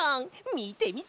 みてみて！